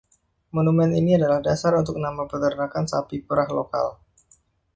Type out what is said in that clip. Monumen ini adalah dasar untuk nama Peternakan Sapi Perah lokal.